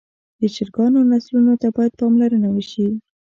د چرګانو نسلونو ته باید پاملرنه وشي.